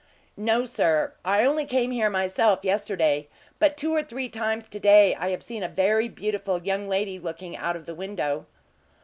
"No, sir. I only came here, myself, yesterday, but two or three times to day I have seen a very beautiful young lady looking out of the window."